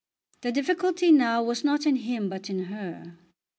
The difficulty now was not in him but in her.